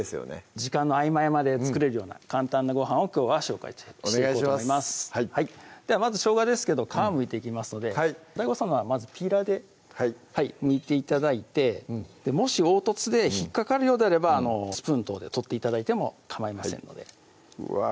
時間の合間合間で作れるような簡単なごはんをきょうは紹介していこうと思いますではまずしょうがですけど皮をむいていきますのでＤＡＩＧＯさんはまずピーラーでむいて頂いてもし凹凸で引っ掛かるようであればスプーン等で取って頂いてもかまいませんのでうわぁ